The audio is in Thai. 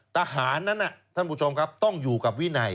ทหารนั้นท่านผู้ชมครับต้องอยู่กับวินัย